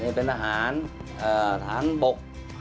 นี่เป็นทหารของบก